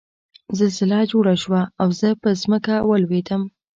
زلزله جوړه شوه او زه په ځمکه ولوېدم